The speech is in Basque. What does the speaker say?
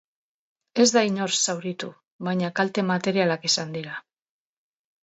Ez da inor zauritu, baina kalte materialak izan dira.